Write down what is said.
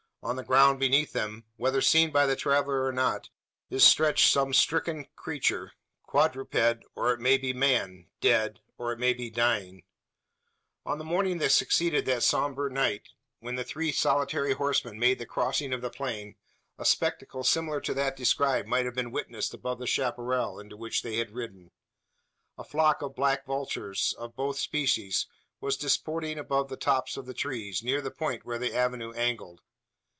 On the ground beneath them, whether seen by the traveller or not, is stretched some stricken creature quadruped, or it may be man dead, or it may be dying. On the morning that succeeded that sombre night, when the three solitary horsemen made the crossing of the plain, a spectacle similar to that described might have been witnessed above the chapparal into which they had ridden. A flock of black vultures, of both species, was disporting above the tops of the trees, near the point where the avenue angled.